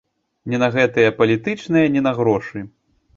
Ні на гэтыя палітычныя, ні на грошы.